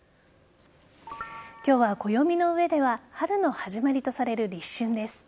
今日は、暦の上では春の始まりとされる立春です。